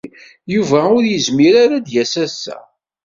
Yuba ur izmir ara ad yas ass-a.